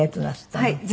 はい。